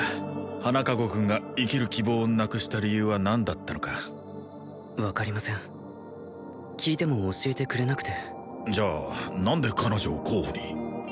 花籠君が生きる希望をなくした理由は何だったのか分かりません聞いても教えてくれなくてじゃあ何で彼女を候補に？